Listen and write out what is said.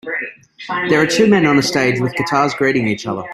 There are two men on a stage with guitars greeting each other.